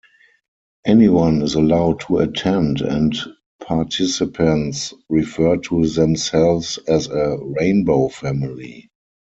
Anyone is allowed to attend and participants refer to themselves as a "Rainbow Family".